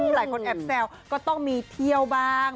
หลายคนแอบแซวก็ต้องมีเที่ยวบ้าง